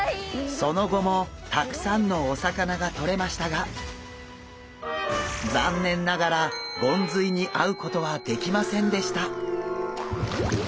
その後もたくさんのお魚がとれましたが残念ながらゴンズイに会うことはできませんでした。